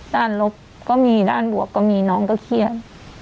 ลบก็มีด้านบวกก็มีน้องก็เครียด